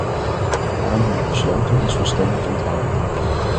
Daarom hebben we besloten ons van stemming te onthouden.